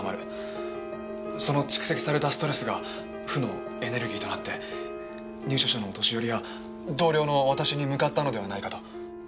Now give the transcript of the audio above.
その蓄積されたストレスが負のエネルギーとなって入所者のお年寄りや同僚の私に向かったのではないかと。